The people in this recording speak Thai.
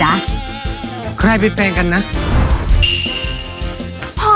เพราะว่าก็ว่าสองคนเนี่ยเป็นแฟนกันเนี่ยล่ะจ๊ะ